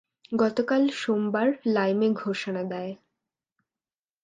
গতকাল সোমবার লাইম এ ঘোষণা দেয়।